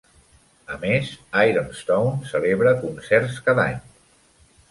A més, Ironstone celebra concerts cada any.